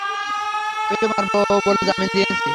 তোকে মারব বলে জামিন নিয়েছি।